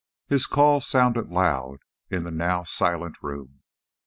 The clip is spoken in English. His call sounded loud in the now silent room.